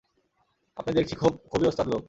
আপনি দেখছি খুবই ওস্তাদ লোক।